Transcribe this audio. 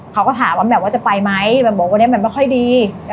เขาก็ถามว่าจะไปมั้ยนี่ไม่ค่อยดี